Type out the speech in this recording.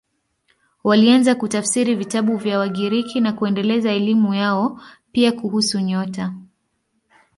Walianza kutafsiri vitabu vya Wagiriki na kuendeleza elimu yao, pia kuhusu nyota.